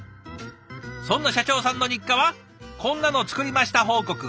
そんな社長さんの日課はこんなの作りました報告。